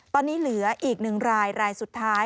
ตอนนี้เหลืออีก๑รายรายสุดท้าย